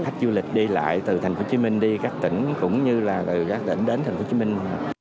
khách du lịch đi lại từ thành phố hồ chí minh đi các tỉnh cũng như là từ các tỉnh đến thành phố hồ chí minh